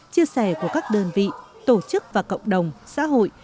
chia sẻ của các đơn vị tổ chức và cộng đồng xã hội